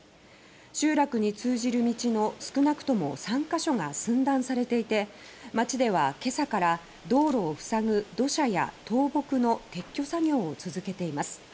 集落に通じる道の少なくとも３ヵ所が寸断されていて町では、けさから道路をふさぐ土砂や倒木の撤去作業を続けています。